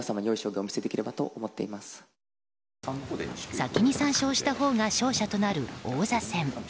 先に３勝したほうが勝者となる王座戦。